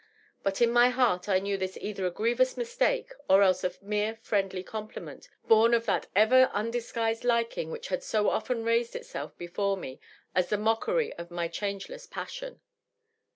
But in my heart I knew this either a grievous mistake or else a mere friendly compliment bom of that ever undisguised liking which had so often raised itself before me as the mockery of my change less passion.